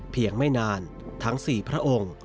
เพียงไม่นานทั้งสี่พระองค์